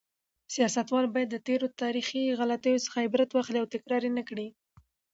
سیاستوال باید د تېرو تاریخي غلطیو څخه عبرت واخلي او تکرار یې نکړي.